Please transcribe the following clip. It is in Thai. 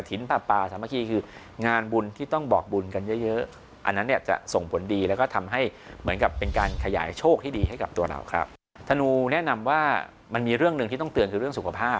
ธนูแนะนำว่ามันมีเรื่องหนึ่งที่ต้องเตือนคือเรื่องสุขภาพ